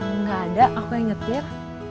nggak ada aku yang nyetir